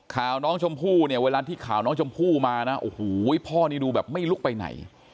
ข่าวน้องชมพู่เนี่ยเวลาที่ข่าวน้องชมพู่มานะโอ้โหพ่อนี่ดูแบบไม่ลุกไปไหน